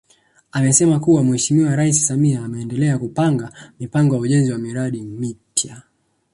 Amesema kuwa Mheshimiwa Rais Samia ameendelea kupanga mipango ya ujenzi wa miradi mipya